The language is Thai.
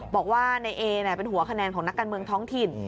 บอกว่านายเอเป็นหัวคะแนนของนักการเมืองท้องถิ่น